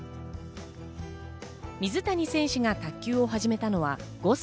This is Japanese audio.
水谷選手が卓球を始めたのは５歳。